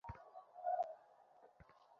এটা কি সত্যিই তুমি?